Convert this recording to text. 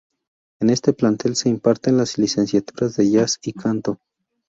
En este plantel se imparten las licenciaturas de Jazz y canto.